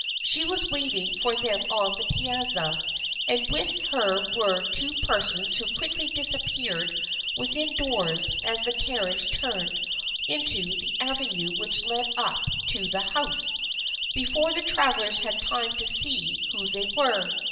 She was waiting for them on the piazza and with her were two persons who quickly disappeared within, doors as the car riage turned into the avenue which led up to the house, before the travelers had time to see who they were.